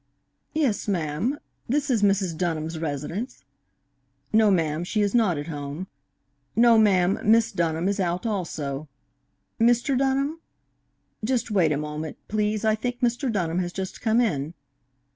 "Yes, ma'am; this is Mrs. Dunham's residence.... No, ma'am, she is not at home.... No, ma'am, Miss Dunham is out also.... Mr. Dunham? Just wait a moment, please I think Mr. Dunham has just come in.